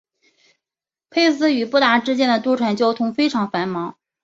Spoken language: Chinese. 佩斯与布达之间的渡船交通非常繁忙。